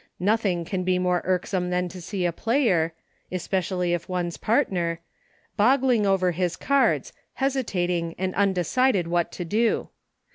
Nothing can be more irksome than to see a player — especially if one's part ner — boggling over his cards, hesitating and undecided what to do.